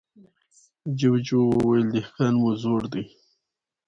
جوجو وويل: دهقان مو زوړ دی.